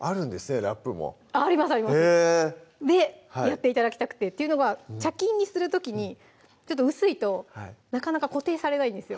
ラップもありますありますでやって頂きたくてっていうのが茶巾にする時に薄いとなかなか固定されないんですよ